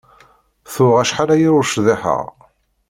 Tuɣ acḥal-aya ur cḍiḥeɣ.